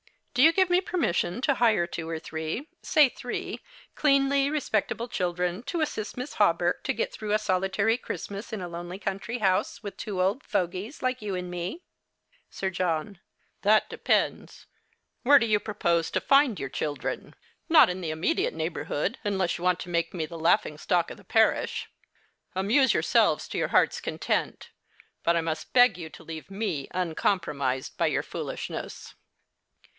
Do you 30 The Christmas Hirelings. give me permission to hire two or three — say three — cleanly, respectable children, to assist ]Miss Hawberk to get through a solitary Christmas in a lonely country house, with two old fogies like you and me ? Sir John. That depends. Where do you propose to tind your children ? Not in the immediate neighbour hood, unless you want to make me the laughing stock of the parish. Amuse yourselves to your hearts' content ; but I must beg you to leave me uncompromised by your foolishness.